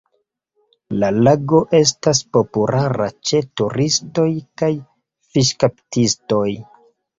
La lago estas populara ĉe turistoj kaj fiŝkaptistoj.